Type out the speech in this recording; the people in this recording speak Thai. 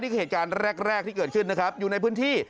เหตุการณ์แรกแรกที่เกิดขึ้นนะครับอยู่ในพื้นที่